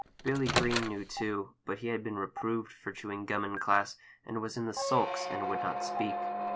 Billy Green knew, too, but he had been reproved for chewing gum in class, and was in the sulks, and would not speak.